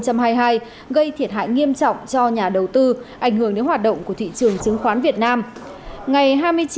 gây thiệt hại nghiêm trọng cho nhà đầu tư ảnh hưởng đến hoạt động của thị trường chứng khoán việt nam